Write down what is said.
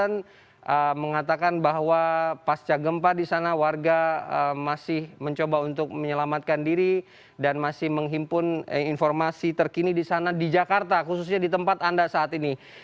saya mengatakan bahwa pasca gempa di sana warga masih mencoba untuk menyelamatkan diri dan masih menghimpun informasi terkini di sana di jakarta khususnya di tempat anda saat ini